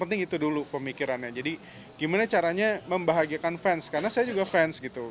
penting itu dulu pemikirannya jadi gimana caranya membahagiakan fans karena saya juga fans gitu